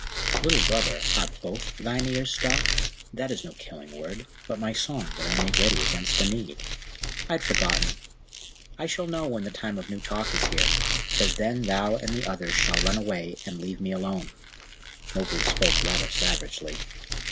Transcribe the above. "Little Brother, are BOTH thine ears stopped? That is no killing word, but my song that I make ready against the need." "I had forgotten. I shall know when the Time of New Talk is here, because then thou and the others all run away and leave me alone." Mowgli spoke rather savagely.